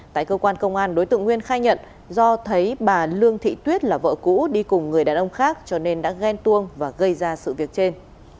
tại cơ quan công an đối tượng nguyên khai nhận do thấy bà lương thị tuyết là vợ cũ đi cùng người đàn ông khác cho nên đã ghen tuông và gây ra sự việc trên